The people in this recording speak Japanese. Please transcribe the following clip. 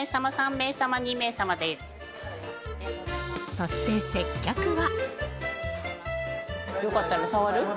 そして接客は。